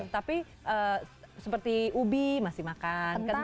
tapi seperti ubi masih makan